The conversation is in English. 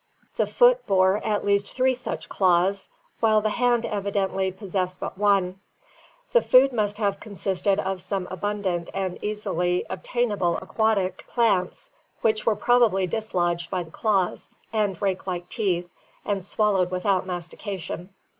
The foot bore at least three such claws, while the hand evidently possessed but one. The food must have consisted of some abundant and easily obtainable aquatic plants which were probably dislodged by the claws and rake like teeth and swallowed without mastication.